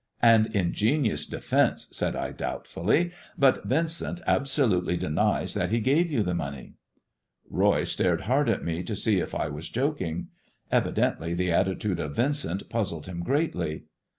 An ingenious defence," said I doubtfully, " but Yincent absolutely denies that he gave you the money." Roy stared hard at me to see if I were joking. Evi dently the attitude of Yincent puzzled him greatly.